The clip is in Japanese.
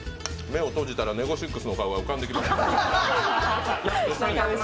目を閉じたらネゴシックスの顔が浮かんできますよ。